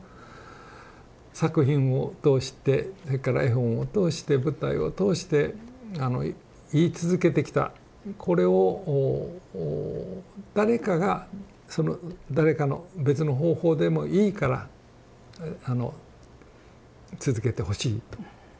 作品を通してそれから絵本を通して舞台を通して言い続けてきたこれを誰かがその誰かの別の方法でもいいから続けてほしいと。